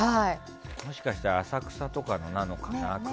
もしかしたら浅草とかなのかな。